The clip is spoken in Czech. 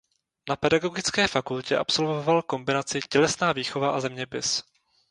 Na Pedagogické fakultě absolvoval kombinaci tělesná výchova a zeměpis.